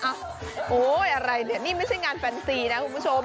โอ๊ยอะไรเนี่ยนี่ไม่ใช่งานแฟนซีนะคุณผู้ชม